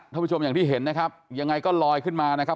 ผู้ชมอย่างที่เห็นนะครับยังไงก็ลอยขึ้นมานะครับ